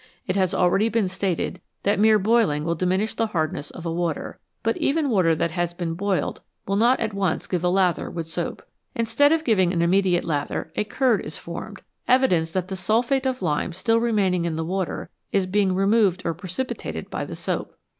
It has already been stated that mere boiling will diminish the hardness of a water, but even water that has been boiled will not 102 NATURAL WATERS at once give a lather with soap. Instead of giving an immediate lather, a curd is formed evidence that the sulphate of lime still remaining in the water is being removed or precipitated by the soap.